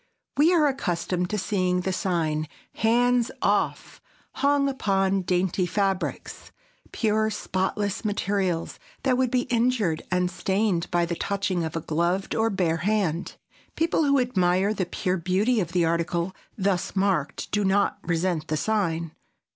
We are accustomed to seeing the sign "Hands off!" hung upon dainty fabrics,—pure spotless materials that would be injured and stained by the touching of a gloved or bare hand. People who admire the pure beauty of the article thus marked do not resent the sign.